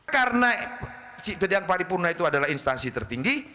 karena sidang paripurna itu adalah instansi tertinggi